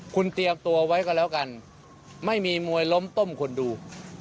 คุณเตรียมตัวไว้ก็แล้วกันไม่มีมวยล้มต้มคนดู